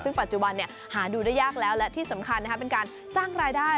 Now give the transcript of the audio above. ซึ่งปัจจุบันหาดูได้ยากแล้วและที่สำคัญเป็นการสร้างรายได้